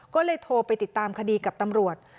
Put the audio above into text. ก็เลยโทรไปติดตามคดีกับตำรวจ